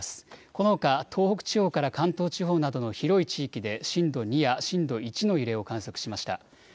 このほか東北地方から関東地方などの広い地域で震度２や震度１の揺れを観測しました。